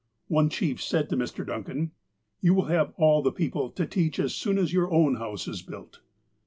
One chief said to Mr. Duncan :" You Avill have all the people to teach as soon as your own house is built.